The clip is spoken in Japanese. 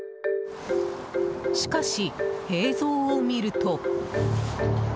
しかし、映像を見ると。